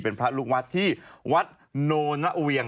เป็นพระลูกวัดที่วัดโนนะเวียง